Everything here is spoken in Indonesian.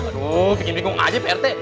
aduh bikin bingung aja pak rete